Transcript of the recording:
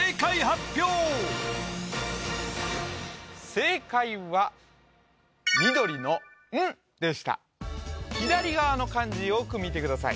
正解は緑の「ン」でした左側の漢字よく見てください